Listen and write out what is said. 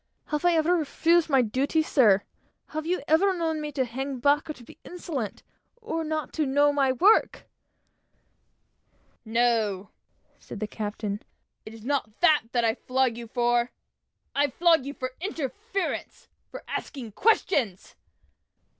"Have I ever refused my duty, sir? Have you ever known me to hang back, or to be insolent, or not to know my work?" "No," said the captain, "it is not that that I flog you for; I flog you for your interference for asking questions."